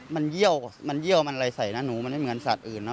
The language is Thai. มันเยี่ยวมันไร้ใส่นะหนูมันไม่เหมือนสัตว์อื่นนะ